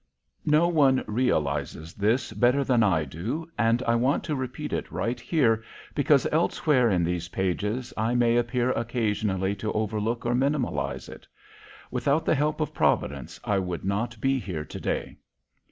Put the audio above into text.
No one realizes this better than I do and I want to repeat it right here because elsewhere in these pages I may appear occasionally to overlook or minimize it: without the help of Providence I would not be here to day.